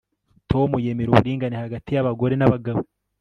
Tom yemera uburinganire hagati yabagore nabagabo